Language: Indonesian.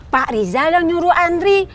pak rijal yang nyuruh andri